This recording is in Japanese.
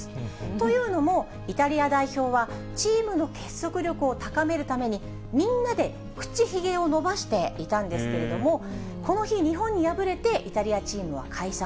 というのも、イタリア代表は、チームの結束力を高めるために、みんなで口ひげを伸ばしていたんですけども、この日、日本に敗れて、イタリアチームは解散。